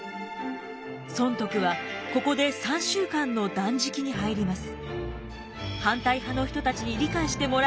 尊徳はここで３週間の断食に入ります。